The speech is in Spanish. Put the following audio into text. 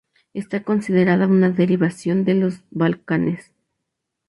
Está considerada una derivación de los Balcanes.